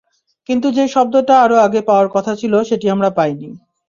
কিন্তু যেই শব্দটা আরও আগে পাওয়ার কথা ছিল, সেটি আমরা পাইনি।